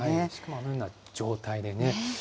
あのような状態でね。